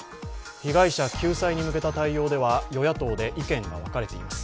被害者救済に向けた対応では与野党で意見が分かれています。